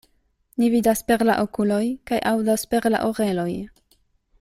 Ni vidas per la okuloj kaj aŭdas perla oreloj.